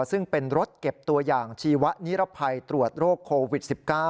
ซึ่งเป็นรถเก็บตัวอย่างชีวะนิรภัยตรวจโรคโควิด๑๙